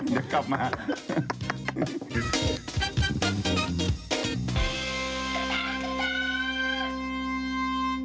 เดี๋ยวกลับมา